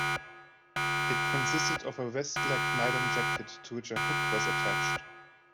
It consisted of a vest-like nylon jacket to which a hook was attached.